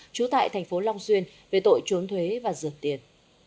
trú tại thành phố long xuyên về tội trốn thuế và dược tiền